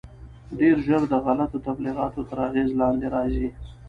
ډېر ژر د غلطو تبلیغاتو تر اغېز لاندې راځي.